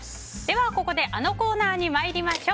ここであのコーナーに参りましょう。